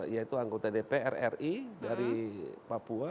yaitu anggota dpr ri dari papua